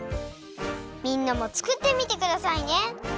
みんなもつくってみてくださいね。